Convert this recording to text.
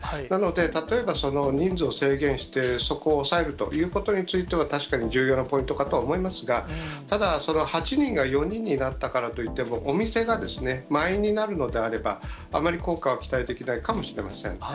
なので、例えばその人数を制限して、そこを抑えるということについては、確かに重要なポイントかとは思いますが、ただ、８人が４人になったからといっても、お店が満員になるのであれば、あまり効果は期待できないかもしれません。